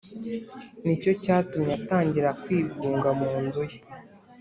nicyo cyatumye atangira kwigunga mu nzu ye